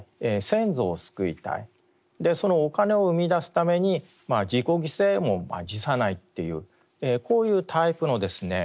そのお金を生みだすために自己犠牲も辞さないというこういうタイプのですね